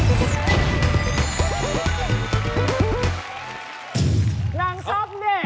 น้ำชอบเด็ก